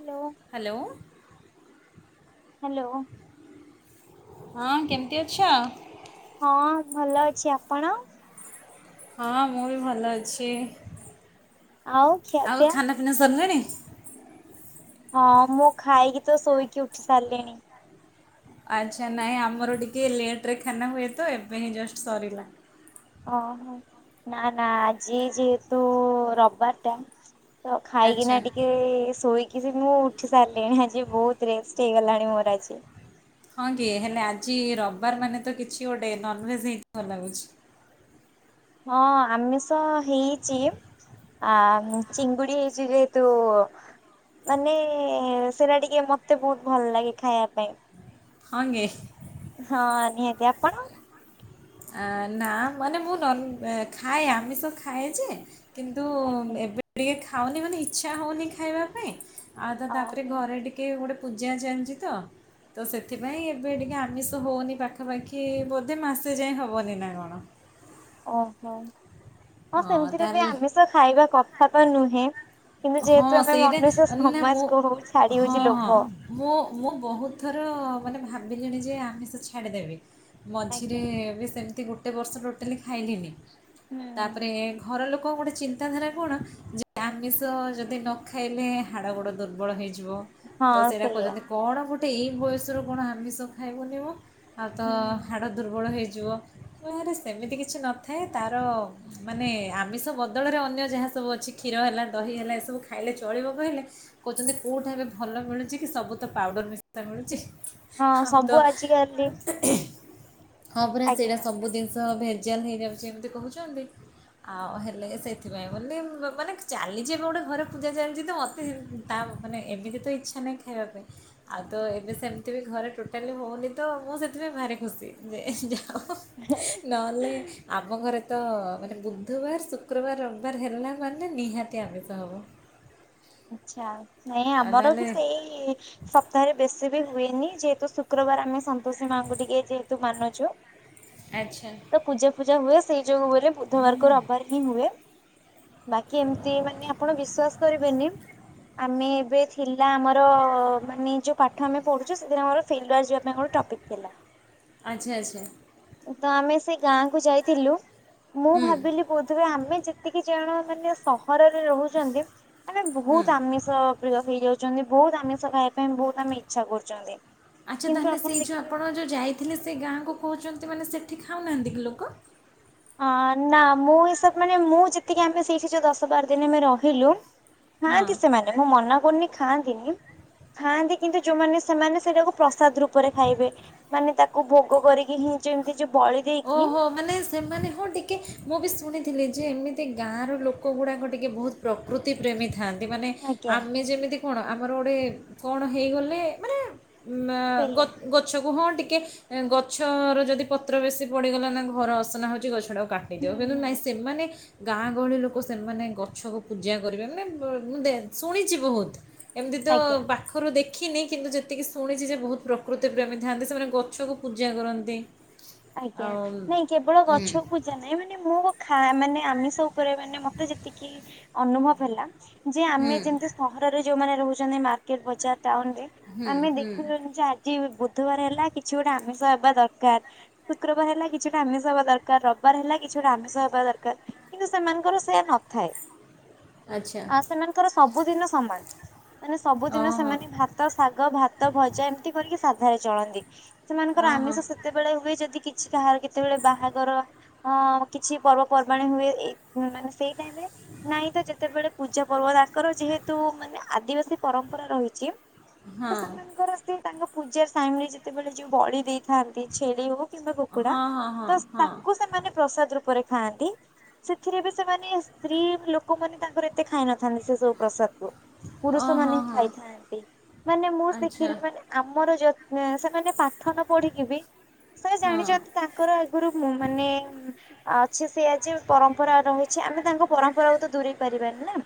Hello hello hello ହଁ କେମିତି ଅଛ? ହଁ ଭଲ ଅଛି ଆପଣ? ହଁ ମୁଁ ବି ଭଲ ଅଛି। ଆଉ ଆଉ ଖିଆପିଆ? ଖାନା ପିନାା ସରିଲାଣି। ହଁ ମୁଁ ଖାଇକି ତ ଶୋଇକି ଉଠି ସାରିଲିଣି। ଆଚ୍ଛା ନହିଁ ଆମର ଟିକେ ଲେଟରେ ଖାନା ହୁଏ ତ ଏବେ ହିଁ ଜଷ୍ଟ ସରିଲା। ଓହୋ ନା ନା ଆଜି ଯେହେତୁ ରବିବାର ଟମ୍ ତ ଆଚ୍ଛା। ଖାଇକିନା ଟିକେ ଶୋଇକି କିନ୍ତୁ ମୁଁ ଉଠି ସାରିଲିଣି ଆଜି ବହୁତ ରେଷ୍ଟ ହେଇଗଲାଣି ମୋର ଆଜି। ହଁ କି ହେଲେ ଆଜି ରବିବାର ମାନେ ତ କିଛି ଗୋଟେ ନନଭେଜ ଜ ହେଇଥିବ ଲାଗୁଛି। ହଁ ଆମିଷ ହେଇଛି ଆ ଚିଙ୍ଗୁଡି ହେଇଛି ଯେହେତୁ ମାନେ ସେଟା ଟିକେ ମତେ ବହୁତ ଭଲ ଲାଗେ ଖାଇବା ପାଇଁ ହଁ କି, ହଁ ନିହାତି ଆପଣ? ନା ମାନେ ମୁଁ ଖାଏ ଆମିଷ ଖାଏ ଯେ କିନ୍ତୁ ଆଜ୍ଞା ଏବେ ଟିକେ ଖାଉନି ମାନେ ଇଚ୍ଛା ହଉନି ଖାଇବା ପାଇଁ ଆଉ ତା ତାପରେ ଓହୋ ଘରେ ଟିକେ ଗୋଟେ ପୂଜା ଚାଲିଁଛି ତ ତ ସେଥିପାଇଁ ଏବେ ଟିକେ ଆମିଷ ହେଉନି ପାଖାପାଖି ବୋଧେ ମାସେ ତୁ ଯାଇ ହେବନି ନା କଣ। ଓହୋ ହଁ ସେମିତିରେ ବି ଆମିଷ ଖାଇବା କଥା ତ ନୁହେଁ କିନ୍ତୁ ହଁ ଯେହେତୁ ଆମେ ମନୁଷ ସେଇଟା ନା ମୁଁ ସମାଜ କ ହଉ ଛାଡି ହଁ ହଉଛି ହଁ ଲୋଭ ବିଲଣି ଯେ ଆମେ ସେ ଛାଡ଼ିଦେବେ। ମଝିରେ ଆଜ୍ଞା ଏବେ ସେମିତି ଗୋଟେ ଗୋଟେ ବର୍ଷ ଟୋଟାଲି ଖାଇଲିନି। ହୁଁ। ତାପରେ ଘର ଲୋକ ଗୋଟେ ଚିନ୍ତାଧାରା କଣ ଯେ ଆମିଷ ଯଦି ନ ଖାଇଲେ ହାଡ଼ ଗୋଡ଼ ଦୁର୍ବଳ ହେଇଯ ତ ହଁ ସେଇଟା ସେଇଆ। କହୁଛନ୍ତି କଣ ଗଟେ ଗୋଟେ ଏଇ ବୟସରୁ କଣ ଆମିଷ ଖାଇବନି ମ? ଆଉ ତ ହୁଁ। ହାଡ଼ ଦୁର୍ବଳ ହେଇଯିବ। ଆରେ ସେମିତି କିଛି ନଥାଏ ତାର ମାନେ ଆମିଷ ବଦଳରେ ଅନ୍ୟ ଯାହା ସବୁ ଅଛି କ୍ଷୀର ହେଲା ଦହି ହେଲା ଏସବୁ ଖାଇଲେ ଚଳିବ କହିଲେ କହୁଛନ୍ତି କୋଉଠା ଏବେ ଭଲ ମିଳୁଛି କି ସବୁ ତ ପାଉଡର ମିଶା ମିଳୁଛି। ହଁ ଆଉ ସବୁ ଆଜିକାଲି ତ ହଁ ପୁରା ଆଜ୍ଞା ସେଇଟା ସବୁ ଜିନିଷ ଜାଲ ହେଇଯାଉଛି ଏମିତି କହୁଛନ୍ତି। ଆଉ ହେଲେ ସେଥିପାଇଁ ବୋଲି ମାନେ ଚାଲିଛି ଏବେ ଗୋଟେ ଘରେ ପୂଜା ଚାଲିଛି ତ ମତେ ତା ମାନେ ଏମିତି ତ ଇଚ୍ଛା ନାହିଁ ଖାଇବା ପାଇଁ ଆଉ ତ ଏବେ ସେମିତି ବି ଘରେ ଟୋଟାଲି ହଉନି ତ ମୁଁ ସେଥିପାଇଁ ଭାରି ଖୁସି ଯେ ନହେଲେ ଆମ ଘରେ ତ ବୁଧୁବାର, ଶୁକ୍ରବାର, ରବିବାର ହେଲା ମାନେ ନିହାତି ଆମିଷ ହେବ। ଆଚ୍ଛା। ନାଇଁ ଆଉ ଆମର ତାହେଲେ ବି ସେଇ ସପ୍ତାହରେ ବେଶୀ ସେ ବି ହୁଏନି ଯେହେତୁ ଶୁକ୍ରବାର ଆମେ ସନ୍ତୋଷୀ ମାଙ୍କୁ ଟିକେ ଯେହେତୁ ମାନୁଛୁ ଆଚ୍ଛା ତ ପୂଜା ପୂଜା ହୁଏ। ଯଉଁ ବ ବୁଧବାର କ ରବିବାର ହିଁ ହୁଏ। ବାକି ଏମିତି ମାନେ ଆପଣ ବିଶ୍ବାସ କରିବେନି ଆମେ ଏବେ ଥିଲା ଆମର ମାନେ ଯେଉଁ ପାଠ ଆମେ ପଢୁଛୁ ସେଦିନ ଆମର ଫିଲୱାର୍ ଯିବା ପାଇଁ ଗୋଟେ ଟପିକ୍ ଥିଲା। ଆଚ୍ଛା ଆଚ୍ଛା। ତ ଆମେ ସେ ଗାଁକୁ ଯାଇଥିଲୁ। ମୁଁ ହୁଁ ଭାବିଲି ବୋଧହୁଏ ଆମେ ଯେତିକି ଜଣ ମାନେ ସହ ଘରରେ ରହୁଛନ୍ତି ଆମେ ହୁଁ। ବହୁତ ଆମିଷ ପ୍ରିୟ ହେଇଯାଉଛନ୍ତି ବହୁତ ଆମିଷ ଖାଇବା ପାଇଁ ବହୁତ ଆମେ ଇଚ୍ଛା କରୁଛନ୍ତି। ଆଚ୍ଛା କିନ୍ତୁ ତାହେଲେ ଆପଣ ସେଇ ଯେଉଁ ଦେଖିବେ ଆପଣ ଯେଉଁ ଯାଇଥିଲେ ସେ ଗାଁକୁ କହୁଛନ୍ତି ମାନେ ସେ ସେଠି ଖାଉନାହାନ୍ତି କି ଲୋକ? ଅ ନା ମୁଁ ହିସାବ ମାନେ ମୁଁ ଯେତିକି ଆମେ ସେଇଠି ଯୋଉ ଦଶ ବାର ଦିନ ଆମେ ରହିଲୁ ହଁ ଖାଆନ୍ତି ସେମାନେ ମୁଁ ମନା କରୁନି ଖାଆନ୍ତିନି ଖାଆନ୍ତି କିନ୍ତୁ ଯୋଉମାନେ ସେମାନେ ସେଟାକୁ ପ ପ୍ରସାଦ ରୂପରେ ଖାଇବେ ମାନେ ତାକୁ ଭୋ କରିକି ହିଁ ଯେମିତି ଯେ ଓହୋ ମାନେ ସେମାନେ ହଁ ଟିକେ ମୁଁ ବି ଶୁଣିଥିଲି ଯେ ଏମିତି ଗାଁର ଲୋକ ଗୁଡ଼ାକ ଟିକେ ବହୁତ ପ୍ରକୃତି ପ୍ରେମୀ ଥାନ୍ତି। ମାନେ ଆଜ୍ଞା। ଆମେ ଯେମିତି କଣ ଆମର ଗୋଟେ କଣ ହେଇଗଲେ ମାନେ ଉ ଗ ସେଇଆ ଗଛ ହଁ ଟିକେ ଗଛ ଯଦ ପତ୍ର ବ ପଡିଗଲା ନା ଘର ଅସନା ହଉଛି ଗଛଡା ହୁଁ କାଟନଦଉ କିନ୍ତୁ ହୁଁ ନାଇଁ ସେ ମାନେ ଗାଁ ଗହଳି ଲୋକ ସେମାନେ ଗଛକୁ ପୂଜା କରିବେ ମାନେ ମୁଁ ଶୁଣିଛି ବହୁତ ଏମିତି ତ ଆଜ୍ଞା। ପାଖରୁ ଦେଖ ଦେଖିନି କିନ୍ତୁ ଯେତିକି ଶୁଣିଛି ଯେ ବହୁତ ପ୍ରକୃତି ପ୍ରେମୀ ଥାନ୍ତି ସେମାନେ ଗଛକୁ ପୂଜା କରନ୍ତି। ଆଜ୍ଞା ଆଉ ନାଇଁ କେବଳ ହୁଁ ଗଛକୁ ପୂଜା ନାଇଁ ମାନେ ମୋ କ ମାନେ ଆମିଷ ଉପରେ ମାନେ ମତେ ଯେତିକି ଅନୁଭବ ହେଲା। ଯେ ହୁଁ ଆମେ ଯେମିତି ସହରରେ ଯୋଉମାନେ ରହୁଛନ୍ତି ମାର୍କେଟ ବଜାର ନରେ ହୁଁ ଆମେ ହୁଁ ଦେଖୁୁ ଯେ ଆଜି ବୁଧବାର ହେଲା କିଛି ଗୋଟେ ଆମେ ବା ଦରକାର। ଶୁକ୍ରବାର ହେଲା କିଛିଟା ଆମିଷ ହବା ଦରକାର ରବିବାର ହେଲା କିଛି ଗୋଟା ଆମିଷ ହବା ଦରକାର କିନ୍ତୁ ସେମାନଙ୍କର ସେୟା ନଥାଏ। ଆଚ୍ଛା ଆ ସେମାନଙ୍କର ସବୁଦିନ ସମାନ। ମାନେ ସବୁଦିନ ଓହୋ ସେମାନେ ଭାତ ଶାଗ ଭାତ ଭଜା ଏମିତି କରିକିଧ ଭାରି ଚଳନ୍ତି। ସେମାନଙ୍କର ଓହୋ ଆମିଷ ସେତେବେଳେ ହୁଏ ଯଦି କିଛି କାହାର କେତେବେଳେ ବାହାଘର ହ କିଛି ପର୍ବପର୍ବାଣି ହୁଏ ଏଇ ମାନେ ସେଇ ନାଇଁ ତ ଯେତେବେଳେ ପୂଜା ପ ତାଙ୍କର ଯେହେତୁ ମାନେ ଆଦିବାସୀ ପରମ୍ପରା ରହିଛି। ହଁ ସେମାନଙ୍କର ତାଙ୍କ ପୂଜା ସାଇମ ରେ ଯେତେବେଳେ ଯୋଉ ବଳି ଦେଇଥାନ୍ତି ଛେଳି କିମ୍ବା କୁକୁଡା ହଁ ହଁ ହଁ ତ ହଁ ତାଙ୍କୁ ସେମାନେ ପ୍ରସାଦ ରୂପରେ ଖାଆନ୍ତି ସେଥିରେ ବି ସେମାନେ ସ୍ତ୍ରୀ ଲୋକମାନୋନ ତାଙ୍କର ଏତେ ଖାଇନଥାନ୍ତି ସେ ସବୁ ପ୍ରସାଦ ପୁରୁଷ ଓହୋ ମାନେ ହିଁ ହଁ ଖାଇଥାନ୍ତି ମାନେ ମୁଁ ଆଚ୍ଛା ଶିଖିଲି ମାନେ ଆମର ଯ ନା ସେମାନେ ପାଠ ନ ପଢିକି ବି ସାର୍ ହଁ ଜାଣିଛ ତାଙ୍କର ଆଗରୁ ମୁଁ ମାନେ ଅଛି ସେ ଆଜି ପରମ୍ପରା ରହିଛି ଆମେ ତାଙ୍କ ପରମ୍ପରାକୁ ତ ଦୂରେଇ ପାରିବାନି ନା।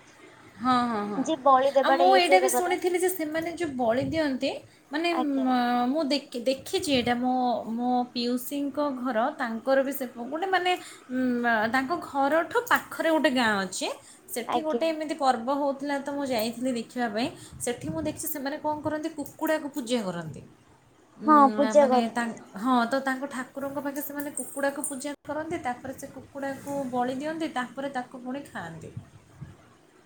ହଁ ହଁ ହଁ ଯେ ବଳି ଆଉ ଦେବାଟା ମୁଁ ଇଏ ଏଇଟା ସିଏ ବି ଦେବାଟା ଶୁଣିଥିଲି ଯେ ସେମାନେ ଯୋଉ ବଳି ଦିଅନ୍ତି ମାନେ ଆଜ୍ଞା ମୁଁ ଦେଖ ଦେଖିଛି ଏଇଟା ମୋ ମୋ ପିଉସୀଙ୍କ ଘର ତାଙ୍କର ବି ସେ ଗୋଟେ ମାନେ ତାଙ୍କ ଘରଠୁ ପାଖରେ ଗୋଟେ ଗାଁ ଅଛି। ସେଠି ଆଜ୍ଞା। ଗୋଟେ ଏମିତି ହଁ ହଉଥିଲା ତ ମୁଁ ଯାଇଥିଲି ଦେଖିବା ପାଇଁ ସେଇଠି ମୁଁ ଦେଖିଛି ସେମାନେ କଣ କରନ୍ତି କୁକୁଡ଼ାକୁ ପୂଜା କରନ୍ତି। ହଁ ଉଁ ପୂଜା ମାନେ କରନ୍ତି ତାଙ୍କ ହଁ ତ ତାଙ୍କ ଠାକୁରଙ୍କ ପାଖରେ ସେମାନେ କୁକୁଡ଼ାକୁ ପୂଜା କରନ୍ତି ତାପରେ ସେ କୁକୁଡ଼ାକୁ ବଳି ଦିଅନ୍ତି ତାପରେ ତାକୁ ପୁଣି ଖାଆନ୍ତି।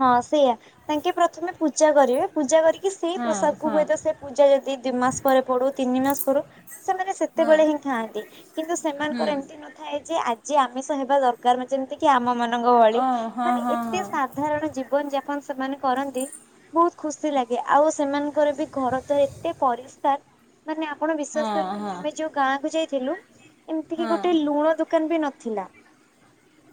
ହଁ ସେଇୟା ତାଙ୍କେ ପ୍ରଥମେ ପୂଜା କରିବେ ପୂଜା କରିକି କି ସେଇ ହଁ ପ୍ରସାଦ କୁ ହଁ ହୁଏତ ସେ ପୂଜା ଯଦି ଦିଇ ମାସ ପରେ ପଡୁ ତିନି ମାସ ପଡୁ ସେମାନେ ହଁ ସେତେବେଳେ ହିଁ ଖାଆନ୍ତି କିନ୍ତୁ ହୁଁ ସେମାନଙ୍କର ଏମିତି ନଥାଏ ଯେ ଯେ ଆମିଷ ହେବା ଦରକାର ଯେମିତି କି ଆମ ମାନ ରଙ୍ଗ ଭଳି ଓ ହଁ ମାନେ ହଁ ଏତେ ସାପ କାରଣ ଜୀବନ ଯାପନ ସେମାନେ କରନ୍ତି ବହୁତ ଖୁସି ଲାଗେ ଆଉ ସେମାନଙ୍କର ବି ଘର ଦ୍ୱାର ଏତେ ପରିଷ୍କାର ମାନେ ଆପଣ ହଁ ବିଶ୍ୱାସ ହଁ କରିବେ ନି ହଁ ଆମେ ଯଉ ଗାଁକୁ ଯାଇ ଥିଲୁ। ଏମିତି କି ହଁ ଗୋଟେ ଲୁଣ ଦୋକାନ ବି ନ ଥିଲା।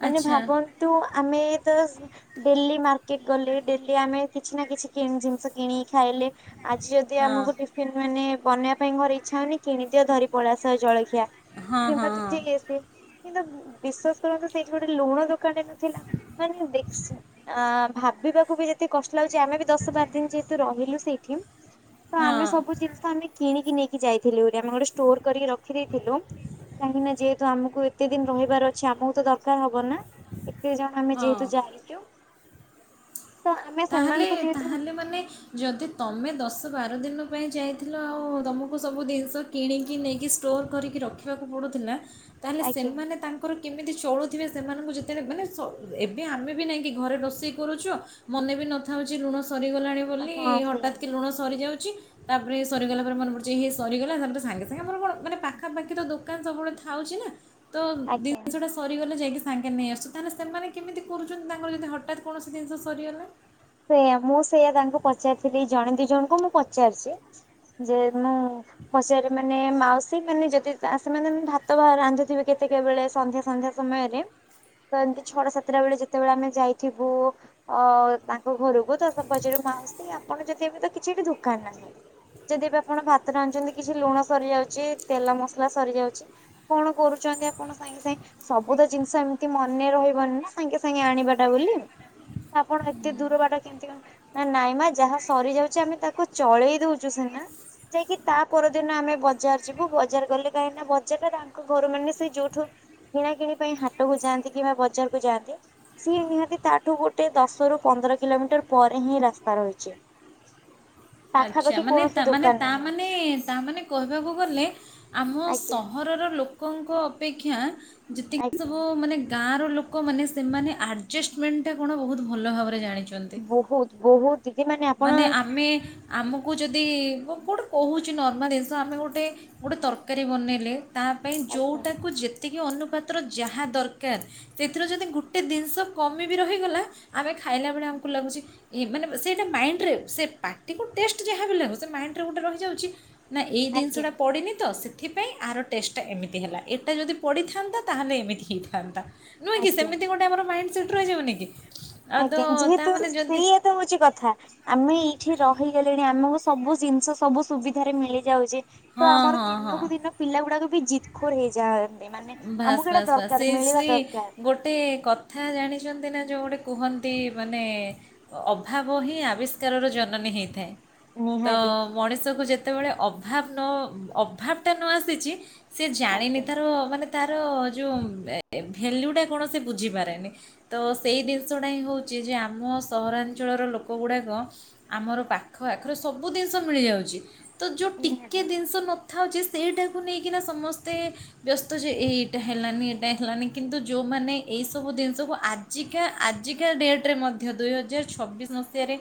ମାନେ ଆଚ୍ଛା ଭାବନ୍ତୁ ଆମେ ଦଶ ଡେଲି ମାର୍କେଟ ଗଲେ ଡେଲି ଆମେ କିଛି ନା କିଛି କିଣି ଜିନିଷ କିଣିକି ଖାଇଲେ। ଆଜି ଯଦି ହଁ ଆମକୁ ଟିଫିନ ମାନେ ବନେଇବା ନାଇ ମୋର ଇଚ୍ଛା ହଉନି କିଣିି ଦିଅ ଧରି ପଳେଇ ଆସ ଜଳ ଖିଆ ହଁ ହଁ କିମ୍ବା କିଛି ହଁ ୟେ ସେ କିନ୍ତୁ ବିଶ୍ଵାସ କରନ୍ତୁ ସେଇଠି ଗୋଟେ ଲୁଣ ଦୋକାନ ଟେ ନଥିଲା ମାନେ ଦେଖ ସୁ ଆ ଭାବିବାକୁ ବି ଯେତେ କଷ୍ଟ ମତେ ଲାଗୁଛି ଆମେ ବି ଦଶ ବାର ଦିନ ଯେହେତୁ ରହିଲୁ ସେଇଠି ତ ଆମେ ହଁ ସବୁ ଜିନିଷ ଆମେ କିଣିକି ନେଇ କି ଯାଇଥିଲୁ ଆମେ ଗୋଟେ ଷ୍ଟୋର କରି ର ଖି ଥିଲୁ। କାହିଁକି ନା ଯେହେତୁ ଆମକୁ ଏତେ ଦିନ ରହିବାର ଅଛି ଆମକୁ ତ ଦରକାର ହବ ନା। କେତେ ଜଣ ଆମେ ଯେହେତୁ ହଁ ଯାହିଛୁ ତାହେଲେ ଯେହେତୁ ତାହେଲେ ମାନେ ଯଦି ତମେ ଦଶ ବାର ଦିନ ତମେ ଯାଇଥିଲ ଆଉ ତୁମକୁ ସବୁ ଜିନିଷ କିଣିକି ନେଇକି ଷ୍ଟୋର୍ କରିକି ରଖିବାକୁ ପଡ଼ୁଥିଲା। ତାହେଲେ ଆଜ୍ଞା ସେମାନେ ତାଙ୍କର କେମିତି ଚଳୁଥିବେ ସେମାନଙ୍କୁ ଯେତେବେଳେ ମାନେ ଏବେ ଆମେ ବି ନାଇଁ କି ଘରେ ରୋଷେଇ କରୁଛ ମନେ ବି ନଥାଉ ଯେ ଲୁଣ ସରିଗଲାଣି ବୋଲି ହଁ ସେଇଆ ହଠାତ୍ କି ଲୁଣ ସରିଯିବ। ତାପରେ ସରିଗଲା ପରେ ମନେ ପଡୁଛି ସରିଗଲା ତାପରେ ସାଙ୍ଗେ ସାଙ୍ଗେ ମର କଣ ମାନେ ପାଖାପାଖି ତ ଦୋକାନ ସବୁବେଳେ ଥାଉଛି ନା? ତ ଆଜ୍ଞା। ଜିନିଷ ଟା ସରିଗଲେ ଯାଇକି? ସାଙ୍ଗେ ନେଇ ଆସୁ ତାହେଲେ ସେମାନେ କେମିତି କରୁଛନ୍ତି ତାଙ୍କର ଯଦି ହଠାତ୍ କୌଣସି ଜିନିଷ ସରିଗଲା। ସେଇୟା ମୁଁ ସେଇୟା ତାଙ୍କୁ ପଚାରିଥିଲି ଜଣେ ଦି ଜଣଙ୍କୁ ମୁଁ ପଚାରିଛି ଯେ ମୁଁ ପଚାରି ମାନେ ମାଉସୀ ମାନେ ଯଦି ସେମାନେ ଭାତ ବା ରାନ୍ଧୁଥିବେ କେତେକ ବେଳେ ସନ୍ଧ୍ୟା ସନ୍ଧ୍ୟା ସମୟରେ ତ ଏମିତି ଛଟ ସାତଟା ବେଳେ ଯେତେବେଳେ ଆମେ ଯାଇଥିବୁ ତା ଘରକୁ ତ ସବ ପାଜରେ ମାଉସ ଆପଣ ଯଦି ଏବେ ତ କିଛିଠି ଦୋକାନ ନାହିଁ ଯଦି ଏ ବି ଆପଣ ଭାତରେ ଆଣିଛନ୍ତି କିଛି ଲୁଣ ସରିଯାଉଛି ତେଲ ମସଲା ସରିଯାଉଛି କଣ କରୁଛନ୍ତି ଆପଣ ସାଙ୍ଗେ ସାଙ୍ଗେ ସବୁ ତ ଜିନିଷ ଏମିତି ମନେ ରହିବନି ନା ସାଙ୍ଗେ ସାଙ୍ଗେ ଆଣିବାଟା ବୋଲି ଆପଣ ଏତେ ଦୂର ବାଟ କେମିତି ନା ନାଇଁ ମା ଯାହା ସରିଯାଉଛି ଆମେ ତାକୁ ଚଳେଇ ଦଉଛୁ ସିନା ଯାଇକି ତା ପରଦିନ ଆମେ ବଜାର ଯିବୁ ବଜାର ଗଲେ କାହିଁକିନା ବଜାରରେ ତାଙ୍କ ଘର ମାନେ ସେ ଯୋଉଠୁ କିଣା କିଣି ପାଇଁ ହାଟକୁ ଯାଆନ୍ତି କିମ୍ବା ବଜାରକୁ ଯାଆନ୍ତି ସି ନିହାତି ତାଠୁ ଗୋଟେ ଦଶ ର ପନ୍ଦର କିଲୋମିଟର ପରେ ହିଁ ରାସ୍ତା ରହିଛି। ଆଚ୍ଛା ପାଖାପାଖି ମାନେ କୌଣସି ମାନେ ଦୋକାନ ତା ନାହିଁ ମାନେ ତା ମାନେ କହିବାକୁ ଗଲେ ଆମ ଆଜ୍ଞା ସହରର ଲୋକ ଲୋକଙ୍କ ଅପେକ୍ଷା ଯେତିକି ଆଜ୍ଞା ସବୁ ମାନେ ଗାଁର ଲୋକମାନେ ସେମାନେ ଆଡ଼ଜଷ୍ଟମେଣ୍ଟଟା କଣ ବହୁତ ଭଲ ଭାବରେ ଜାଣି ବହୁତ ବହୁତ ଦିଦି ମାନେ ଆମେ ଆମକୁ ଯଦି ମୁ କେଉଁଟେ କହୁଛି ନର୍ମାଲ ଏସ ଆମେ ଗୋଟେ ଗୋଟେ ତରକାରୀ ବନେଇଲେ ତା ପାଇଁ ଆଜ୍ଞା ଯେଉଁଟାକୁ ଯେତେ ଏତିକି ଅନୁପାତ୍ର ଯାହା ଦରକାର ସେଥିରେ ଯଦି ଗୋଟେ ଜିନିଷ କମ ବିି ରହିଗଲା ଆମେ ଖାଇଲାବେଳେ ଆମକୁ ଲାଗୁଛି ମାନେ ସେ ସେ ମାଇଣ୍ଡରେ ସେ ପାଟିକୁ ଟେଷ୍ଟ ଯାହା ବି ଲ ସେ ମାଇଣ୍ଡରେ ଗୋଟେ ରହିଯାଉଛି। ନା ଏଇ ଆଜ୍ଞା ଜିନିଷଟା ପଡ଼େନି ତ ସେ ଏଥିପାଇଁ ଆର ଟେଷ୍ଟଟା ଏମିତି ହେଲା ଏଇଟା ଯଦି ପଡ଼ିଥାନ୍ତା ତାହେଲେ ଏମିତି ହେଇଥାନ୍ତା। ନୁହଁ କି ଆଜ୍ଞା ସେମିତି ଗୋଟେ ଆମର ମାଇଣ୍ଡ ଚୁଟ ର ଯିବନି କି? ଆଉ ତ ଆଜ୍ଞା ଯେହେତୁ ତା'ମାନେ ଯଦି ସେଇଏ ତ ହଉଛି କଥା ଆମେ ଏଇଠି ରହିଗଲେଣି ଆମକୁ ସବୁ ଜିନିଷ ସବୁ ସୁବିଧାରେ ମିଳିଯାଉଛି। ତ ହଁ ଆମର ହଁ ହଁ ଦିନକୁ ଦିନ ପିଲା ଗୁଡାକ ବି? ଜିତ ଖୋର ହେଇଯାନ୍ ବାସ୍ ବାସ୍ ବାସ୍ ସେଇ ସେ ଦରକାର ଗୋଟେ କଥା ଜାଣି? ଛନ୍ତି ନା ଯେଉଁ ଗୋଟେ କୁହନ୍ତି ମାନେ ଅଭାବ ହିଁ ଆବିଷ୍କାରର ଜନନୀ ହେଇଥାଏ। ତ ନିହାତି ମଣିଷକୁୁ ଯେତେ ଯେତେବେଳେ ଅଭାବ ନ ଅଭାବ ଟା ନ ଆସିଚି ସେ ଜାଣିନି ଆଜ୍ଞା ତାର ମାନେ ତାର ଯଉଁ ଭ୍ୟାଲ୍ୟୁଟା କଣ ସେ ବୁଝିପାରେନି। ତ ସେଇ ଜିନିଷଟା ହିଁ ହଉଛି ଯେ ଆମ ସହରାଞ୍ଚଳର ଲୋକ ଗୁଡ଼ାକ ଆମର ପାଖ ଆଖରେ ସବୁ ଜିନିଷ ମିଳିଯାଉଛି। ତ ଯେଉଁ ଟିକେ ନିହାତି ଜିନିଷ ନ ଥାଉଛି ସେଇଟାକୁ ନେଇକିନା ସମସ୍ତେ ବ୍ୟସ୍ତ ତ ଯେ ଏଇ ଏଇଟା ହେଲାନି ଏଇଟା ହେଲାନି କିନ୍ତୁ ଯେଉଁମାନେ ଏଇସବୁ ଜିନିଷକୁ ଆଜିକା ଆଜିକା ଡେଟ୍ ରେ ମଧ୍ୟ ଦୁଇ ହଜାର ଛବିଶ ମସିହାରେ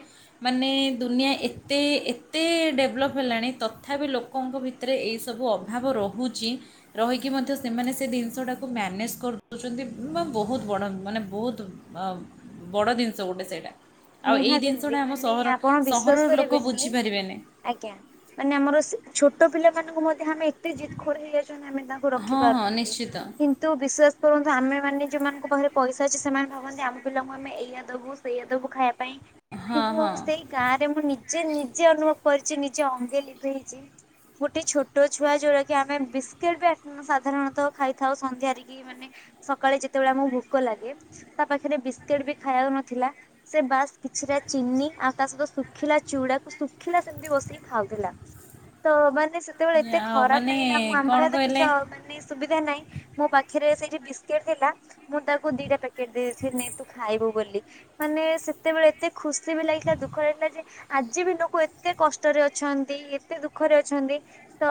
ମାନେ ଦୁନିଆ ଏତେ ଏତେ ଡେଭଲପ୍ ହେଲାଣି ତଥାପି ଲୋକଙ୍କ ଭିତରେ ଏଇସବୁ ଅଭାବ ରହୁଛି। ରହିକି ମଧ୍ୟ ସେମାନେ ସେ ଜିନିଷଟାକୁ ମ୍ୟାନେଜ୍ କରିଦେଉଛନ୍ତି। ବହୁତ ବଡ଼ ମାନେ ବହୁତ ବଡ଼ ଜିନିଷ ଗୋଟେ ସେଇଟା। ଆଉ ଏଇ ନିହାତି ଜିନିଷଟା ଦିଦି ଆମ ମାନେ ସହର ଆପଣ ସହରର ବିଶ୍ଵାସ ଲୋକ କରିବେନି ବୁଝିପାରିବେନି ଆଜ୍ଞା ମାନେ ଆମର ଛୋଟ ପିଲାମାନଙ୍କୁ ମଧ୍ୟ ଆମେ ଏତେ ଜିତ ଖୋର ହେଇଯାଉଛନ୍ତି ଆମେ ତାଙ୍କୁ ରଖି ହଁ ହଁ ପାରୁନାହାନ୍ତି ନିଶ୍ଚିତ କିନ୍ତୁ ବିଶ୍ୱାସ କରନ୍ତୁ ଆମେ ମାନ ଯୋଉମାନଙ୍କ ପାଖରେ ପଇସା ଅଛି ସେମାନେ ଭାବନ୍ତି ଆମ ପିଲାଙ୍କୁ ଆମେ ଏଇଆଦବୁ ସେଇଆଦବୁ ଖାଇବା ପାଇଁ ହଁ କିନ୍ତୁ ହଁ ସେଇ ଗାଁ ରେ ମୁଁ ନି ସେ ନିଜେ ଅନୁଭବ କରିଛି ନିଜେ ଅଙ୍ଗେ ଲିଭେଇଛି ଗୋଟେ ଛୋଟ ଛୁଆ ଯୋଉଟା କି ଆମେ ବିସ୍କେଟ ବି ସାଧାରଣତଃ ଖାଇଥାଉ ସନ୍ଧ୍ୟାରେ କି ମାନେ ସକାଳେ ଯେତେବେଳେ ଆମକୁ ଭୋକ ଲାଗେ ତା ପାଖରେ ବିସ୍କେଟ ବି ଖାଇବାକୁ ନଥିଲା। ସେ ବାସ୍ କିଛିଟା ଚିନି ଆଉ ତା ସହିତ ଶୁଖିଲା ଚୁଡାକୁ ଶୁଖିଲା ସେମିତି ବସେଇକି ଖାଉଥିଲା। ତ ମାନେ ସେତେବେଳେ ଏତେ ଆଉ ଖରାପ ମାନେ ଲାଗିଲା। ମୁଁ ଆମ କ'ଣ ପାଖରେ କିଛି କହିଲେ ମାନେ ସୁବି ସୁବିଧା ନାହିଁ, ମୋ ପାଖରେ ସେଇ ଯୋଉ ବିସ୍କଟ୍ ଥିଲା। ମୁଁ ତାକୁ ଦିଟା ପ୍ୟାକେଟ ଦେଇଥିଲି ନେ ତୁ ଖାଇବୁ ବୋଲି। ମାନେ ସେତେବେଳେ ଏତେ ଖୁସି ବି ଲାଗିଥିଲା ଦୁଃଖ ଲାଗିଥିଲା ଯେ ଆଜି ବି ଲୋକ ଏତେ କଷ୍ଟରେ ଅଛନ୍ତି। ଏତେ ଦୁଃଖରେ ଅଛନ୍ତି। ତ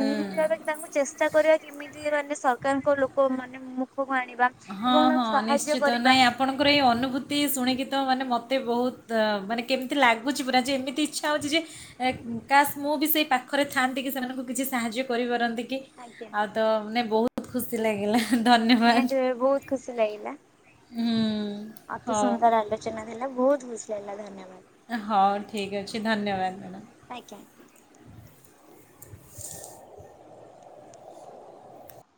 ଉଁ, ଭାବେ ତାଙ୍କୁ ଚେଷ୍ଟା କରିବା କେମିତି ମାନେ ସରକାରଙ୍କ ଲୋକ ମାନେ ମୁଁ ହଁ ହଁ ନିଶ୍ଚିତ କରିବା ନାଇଁ ଆପଣଙ୍କର ଏଇ ଅନୁଭୂତି ଶୁଣିକି ତ ମାନେ ମତେ ମୋତେ ବହୁତ ମାନେ କେମିତି ଲାଗୁଛି ପୁରା ଯେ ଏମିତି ଇଚ୍ଛା ହଉଛି ଯେ କାସ୍ ମୁଁ ବି ସେଇ ପାଖରେ ଥାଆନ୍ତି କି ସେମାନଙ୍କୁ କିଛି ସାହାଯ୍ୟ କରିପାରନ୍ତି କି। ଆଜ୍ଞା। ଆଉ ତ ମାନେ ବହୁତ ଖୁସି ଲାଗିଲା। ଧନ୍ୟବାଦ। ନିହାତି ବହୁତ ଖୁସି ଲାଗିଲା। ହୁଁ ଅତି ହଉ ସୁନ୍ଦର ଆଲୋଚନା ଥିଲା। ବହୁତ ଖୁସି [unintelligible] ଧନ୍ୟବାଦ। ହଉ ଠିକ୍ ଅଛି ଧନ୍ୟବାଦ ମ୍ୟାଡ଼ାମ। ଆଜ୍ଞା। [inaudible]